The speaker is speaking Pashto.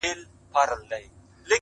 یا به اوښ یا زرافه ورته ښکاره سم.!